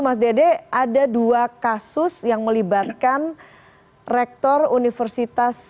mas dede ada dua kasus yang melibatkan rektor universitas